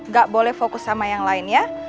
gak boleh fokus sama yang lain ya